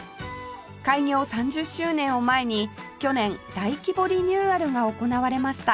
開業３０周年を前に去年大規模リニューアルが行われました